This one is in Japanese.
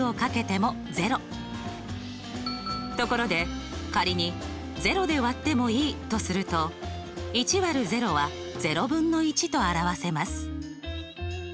ところで仮に「０で割ってもいい」とすると１÷０はと表せます。